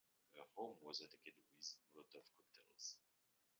Her home was attacked with Molotov cocktails.